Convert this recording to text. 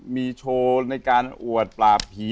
มีโชว์ในการอวดปราบผี